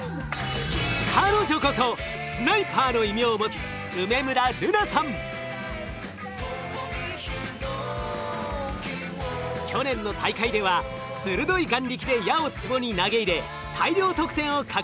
彼女こそスナイパーの異名を持つ去年の大会では鋭い眼力で矢をつぼに投げ入れ大量得点を獲得。